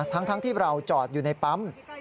ทั้งที่เราจอดอยู่ในปั๊ม